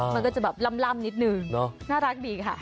มันก็จะแบบล่ำนิดนึงน่ารักดีค่ะ